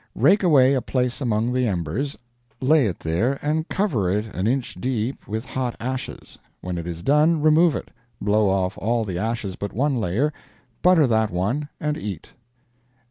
Rake away a place among the embers, lay it there, and cover it an inch deep with hot ashes. When it is done, remove it; blow off all the ashes but one layer; butter that one and eat.